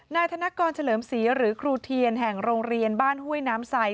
ธนกรเฉลิมศรีหรือครูเทียนแห่งโรงเรียนบ้านห้วยน้ำไซด